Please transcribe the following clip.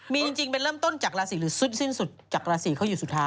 มีจริงเป็นเริ่มต้นจากราศีหรือสุดสิ้นสุดจากราศีเขาอยู่สุดท้าย